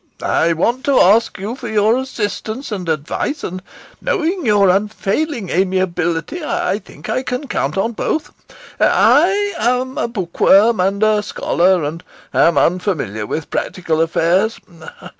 I want to ask you for your assistance and advice, and knowing your unfailing amiability I think I can count on both. I am a book worm and a scholar, and am unfamiliar with practical affairs.